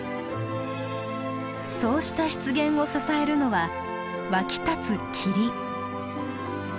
そうした湿原を支えるのは湧き立つ霧。